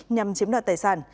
nhằm chiếm đoạt tài sản